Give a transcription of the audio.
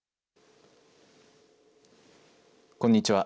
こんにちは。